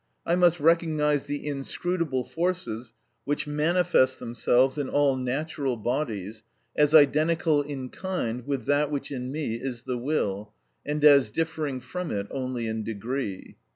I must recognise the inscrutable forces which manifest themselves in all natural bodies as identical in kind with that which in me is the will, and as differing from it only in degree.